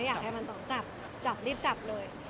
อยากให้มันต้องจับจับรีบจับเลย